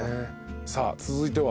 さあ続いては？